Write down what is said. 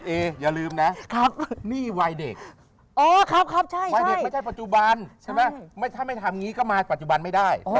เอ๊ยอย่าลืมนี่วายเด็กไม่ใช่ปัจจุบันถ้าไม่ทำงี้มาตัดปัจจุบันไม่ได้